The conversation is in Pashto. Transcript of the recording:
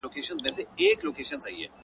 هم زړه سواندی هم د ښه عقل څښتن وو،